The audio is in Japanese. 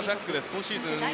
今シーズン